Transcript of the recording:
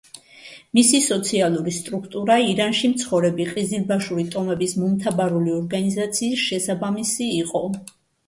მისი სოციალური სტრუქტურა ირანში მცხოვრები ყიზილბაშური ტომების მომთაბარული ორგანიზაციის შესაბამისი იყო.